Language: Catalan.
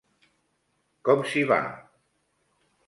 Com s'hi va?